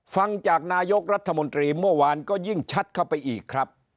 ฟังจากนายกรัฐมนตรีเมื่อวานก็ยิ่งชัดเข้าไปอีกครับ